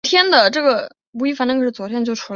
工人革命党是秘鲁的一个托洛茨基主义政党。